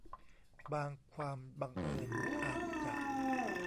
บางความบังเอิญอาจจะ